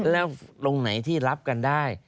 แล้วตรงไหนที่รับกันได้